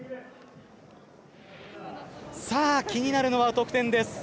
さあ気になるのは得点です。